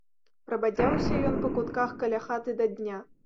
Прабадзяўся ён па кутках каля хаты да дня.